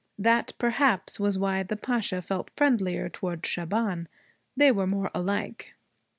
That perhaps was why the Pasha felt friendlier toward Shaban. They were more alike.